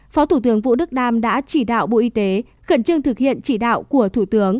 phó thủ tướng vũ đức đam đã chỉ đạo bộ y tế khẩn trương thực hiện chỉ đạo của thủ tướng